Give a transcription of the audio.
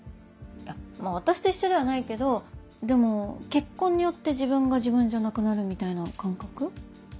まぁ私と一緒ではないけどでも結婚によって自分が自分じゃなくなるみたいな感覚。